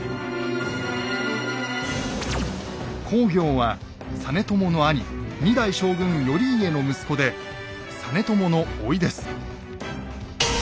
公暁は実朝の兄２代将軍頼家の息子で実朝のおいです。